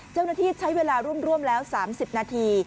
เจ้าหน้าที่ใช้เวลาร่วมแล้ว๓๐นาที